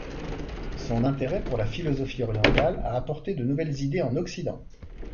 Son intérêt pour la philosophie orientale a apporté de nouvelles idées en occident.